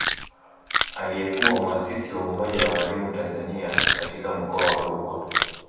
Aliyekuwa mwasisi wa Umoja wa Walimu Tanzania katika Mkoa wa Rukwa